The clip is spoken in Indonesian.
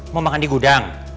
mau makan di gudang